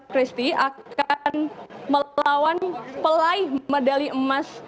christy akan melawan pelai medali emas